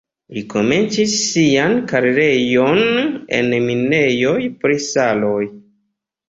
Li komencis sian karieron en minejoj pri saloj.